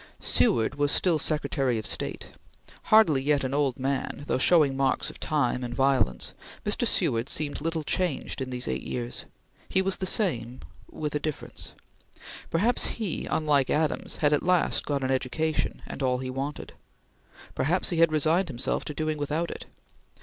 Seward was still Secretary of State. Hardly yet an old man, though showing marks of time and violence, Mr. Seward seemed little changed in these eight years. He was the same with a difference. Perhaps he unlike Henry Adams had at last got an education, and all he wanted. Perhaps he had resigned himself to doing without it.